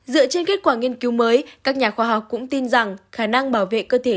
dựa trên kết quả nghiên cứu mới các nhà khoa học cũng tin rằng khả năng bảo vệ cơ thể